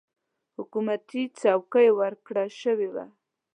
حکومتي چوکۍ ورکړه شوې وه.